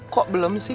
kok belum sih